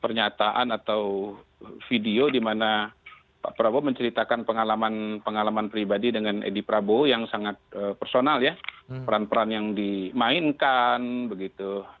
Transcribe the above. pernyataan atau video di mana pak prabowo menceritakan pengalaman pengalaman pribadi dengan edi prabowo yang sangat personal ya peran peran yang dimainkan begitu